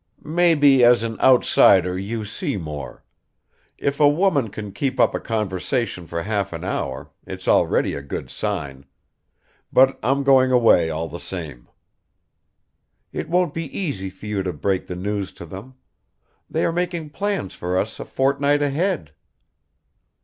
"Maybe as an outsider you see more. If a woman can keep up a conversation for half an hour, it's already a good sign. But I'm going away, all the same." "It won't be easy for you to break the news to them. They are making plans for us a fortnight ahead."